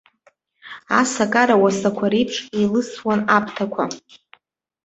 Асакара уасақәа реиԥш еилысуан аԥҭақәа.